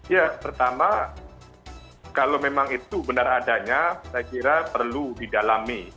ya pertama kalau memang itu benar adanya saya kira perlu didalami